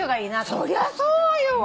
そりゃそうよ！